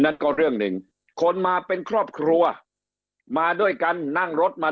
นั่นก็เรื่องหนึ่งคนมาเป็นครอบครัวมาด้วยกันนั่งรถมา